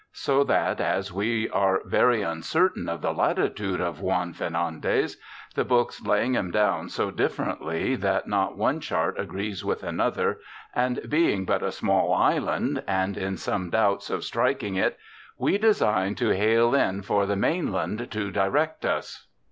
So that as we are very uncertain of the latitude of *Juan Fernandez,' the books laying 'cm down so diffe rently that not one chart agrees with another, and being but a small island, and in some doubts of striking it we designe to hale in for the main land to direct us."